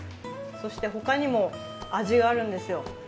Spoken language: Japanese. そして、他にも味があるんですよ。